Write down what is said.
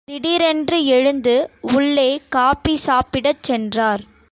திடீரென்று எழுந்து உள்ளே காப்பி சாப்பிடச் சென்றார்.